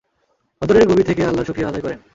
অন্তরের গভীর থেকে আল্লাহর শুকরিয়া আদায় করেন।